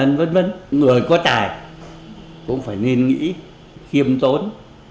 nhưng mà người có tài cũng phải nên nghĩ kiêm tốn